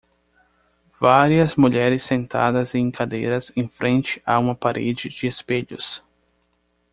Várias mulheres sentadas em cadeiras em frente a uma parede de espelhos.